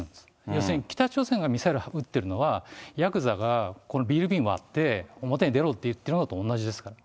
要するに北朝鮮がミサイル撃ってるのは、やくざがこのビール瓶割って、表に出ろって言ってるのと同じですから。